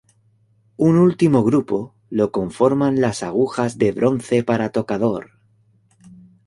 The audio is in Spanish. Un último grupo lo conforman las agujas de bronce para tocador.